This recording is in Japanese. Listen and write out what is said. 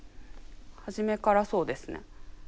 初めからそうですね。